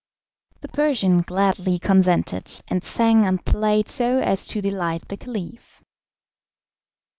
The Persian gladly consented, and sang and played so as to delight the Caliph.